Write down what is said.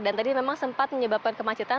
dan tadi memang sempat menyebabkan kemacetan